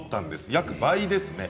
約倍ですね。